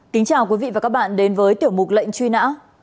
kính chào quý vị và các bạn đến với tiểu mục lệnh truy nã